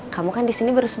kamu kan disini baru semen